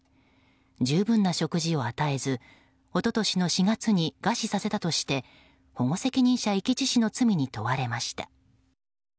十分な食事を与えず一昨年の４月に餓死させたとして保護責任者遺棄致死の罪に問われました。